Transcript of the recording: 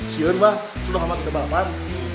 si eta mbak sudah ngamak ikut balapan